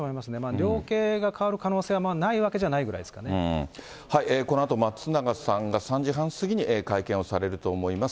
量刑が変わる可能性は、このあと、松永さんが３時半過ぎに会見をされると思います。